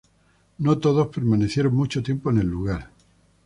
No todos permanecieron mucho tiempo en el lugar.